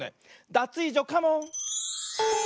ダツイージョカモン！